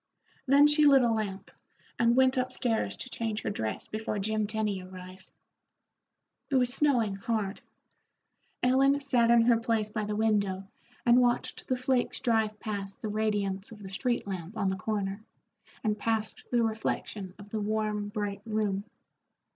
Then she lit a lamp, and went up stairs to change her dress before Jim Tenny arrived. It was snowing hard. Ellen sat in her place by the window and watched the flakes drive past the radiance of the street lamp on the corner, and past the reflection of the warm, bright room.